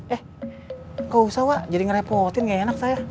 eh gak usah pak jadi ngerepotin gak enak saya